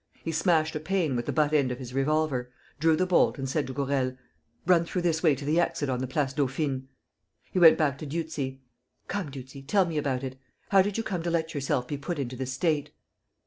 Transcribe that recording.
He smashed a pane with the butt end of his revolver, drew the bolt and said to Gourel: "Run through this way to the exit on the Place Dauphine. ..." He went back to Dieuzy: "Come, Dieuzy, tell me about it. How did you come to let yourself be put into this state?"